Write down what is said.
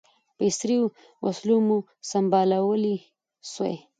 په عصري وسلو مو سمبالولای سوای.